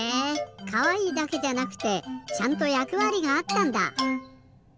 かわいいだけじゃなくてちゃんとやくわりがあったんだ！